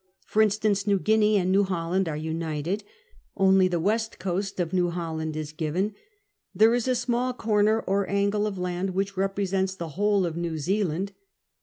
For instance. New Guinea and New Holland are united. Only the west coast of New Holland is given ; there is a small corner or angle of land which 1 'cpresents the whole of New Zealand.